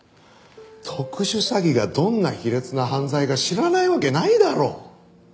特殊詐欺がどんな卑劣な犯罪か知らないわけないだろ。